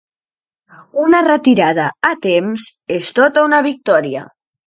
Una retirada a temps és tota una victòria